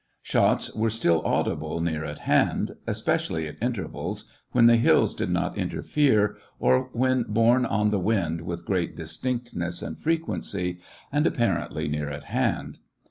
Shots were still audible near at hand, especially at intervals, when the hills did not interfere, or when borne on the wind with great distinctness and frequency, and apparently near at hand.